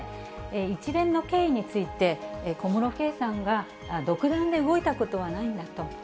一連の経緯について、小室圭さんが独断で動いたことはないんだと。